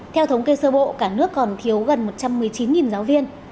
theo thống kê sơ bộ cả nước còn thiếu gần một trăm một mươi chín giáo viên